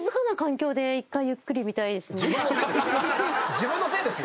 自分のせいです。